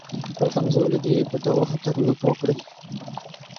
خپل همزولي دې په دغو خطرونو پوه کړي.